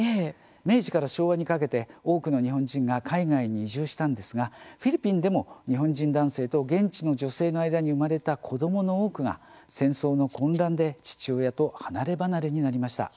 明治から昭和にかけて多くの日本人が海外に移住したんですがフィリピンでも日本人男性と現地の女性の間に生まれた子どもの多くが戦争の混乱で父親と離れ離れになりました。